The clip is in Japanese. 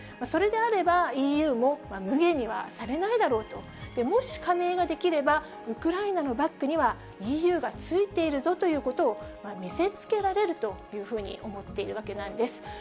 それであれば、ＥＵもむげにはされないだろうと、もし、加盟ができれば、ウクライナのバックにはＥＵがついているぞということを、見せつけられるというふうに思っているわけなんです。